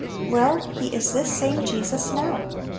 Well, He is "this same Jesus" now.